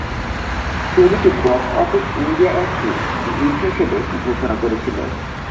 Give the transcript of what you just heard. ছবিটি box office India একটি "hit" হিসাবে ঘোষণা করেছিল।